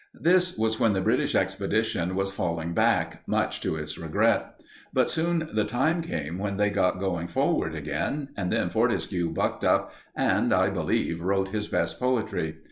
This was when the British Expedition was falling back, much to its regret. But soon the time came when they got going forward again, and then Fortescue bucked up and, I believe, wrote his best poetry.